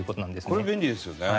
これ便利ですよね。